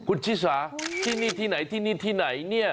คุณชิสาที่นี่ที่ไหนที่นี่ที่ไหนเนี่ย